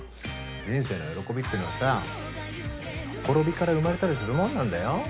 人生の喜びってのはさほころびから生まれたりするもんなんだよ。